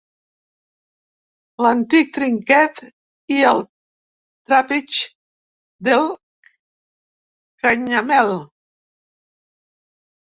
L’antic trinquet i el trapig del canyamel.